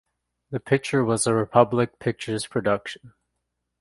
The picture was a Republic Pictures production.